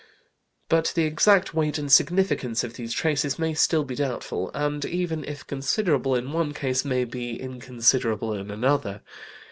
But the exact weight and significance of these traces may still be doubtful, and, even if considerable in one case, may be inconsiderable in another.